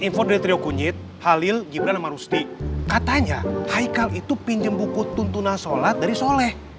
info dari triokunyit halil gibran marusti katanya haikal itu pinjem buku tuntunan sholat dari soleh